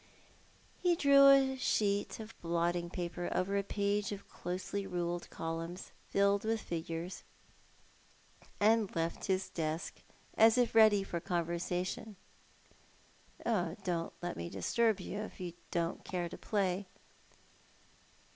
He drew a sheet of blotting paper over a page of closely ruled columns, filled with figures, and left his desk, as if ready for conversation. "Don't let me disturb you, if you don't care to play."